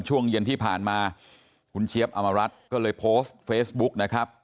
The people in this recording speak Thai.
ช่วงเย็นที่ผ่านมาคุณเจี๊ยบอมรัฐก็เลยโพสต์เฟซบุ๊กนะครับ